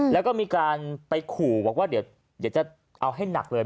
แล้วก็มีการไปขู่บอกว่าเดี๋ยวจะเอาให้หนักเลย